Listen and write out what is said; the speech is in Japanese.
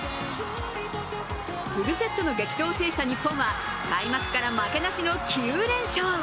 フルセットの激闘を制した日本は開幕から負けなしの９連勝。